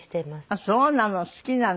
あっそうなの。